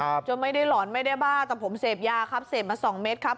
จนไม่ได้หลอนไม่ได้บ้าแต่ผมเสพยาครับเสพมาสองเม็ดครับ